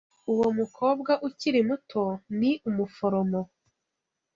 Uwo mukobwa ukiri muto ni umuforomo.